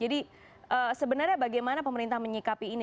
jadi sebenarnya bagaimana pemerintah menyikapi ini